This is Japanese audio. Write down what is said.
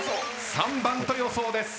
３番と予想です。